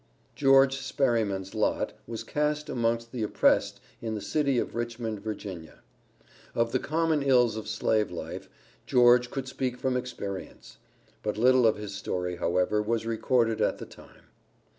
GEORGE SPERRYMAN'S lot was cast amongst the oppressed in the city of Richmond, Va. Of the common ills of slave life, George could speak from experience; but little of his story, however, was recorded at the time.